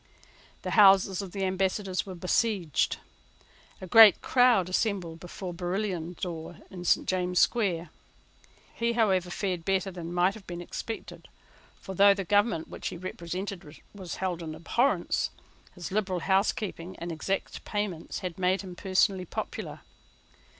The houses of the Ambassadors were besieged. A great crowd assembled before Barillon's door in St. James's Square. He, however, fared better than might have been expected. For, though the government which he represented was held in abhorrence, his liberal housekeeping and exact payments had made him personally popular.